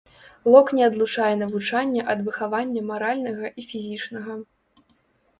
Лок не адлучае навучання ад выхавання маральнага і фізічнага.